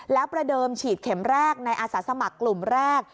แล้วประเดิมฉีดเข็มแรกในอาสาสมัครกลุ่มแรก